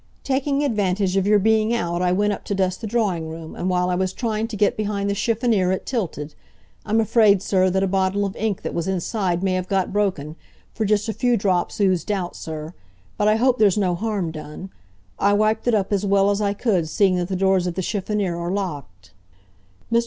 "Taking advantage of your being out I went up to dust the drawing room, and while I was trying to get behind the chiffonnier it tilted. I'm afraid, sir, that a bottle of ink that was inside may have got broken, for just a few drops oozed out, sir. But I hope there's no harm done. I wiped it up as well as I could, seeing that the doors of the chiffonnier are locked." Mr.